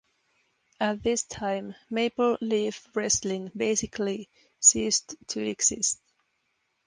At this time, Maple Leaf Wrestling basically ceased to exist.